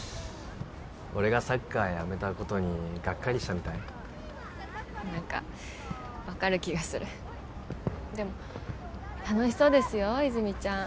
俺がサッカーやめたことにがっかりしたみたい何か分かる気がするでも楽しそうですよ泉実ちゃん